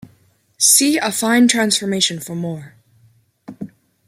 See affine transformation for more.